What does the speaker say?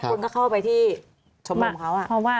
คนก็เข้าไปที่ชมรมเขา